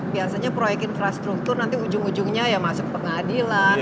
biasanya proyek infrastruktur nanti ujung ujungnya ya masuk pengadilan